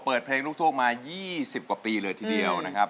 เปิดเพลงลูกทุ่งมา๒๐กว่าปีเลยทีเดียวนะครับ